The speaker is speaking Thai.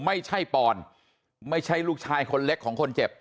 ไม่ใช่ปอนไม่ใช่ลูกชายคนเล็กของคนเจ็บ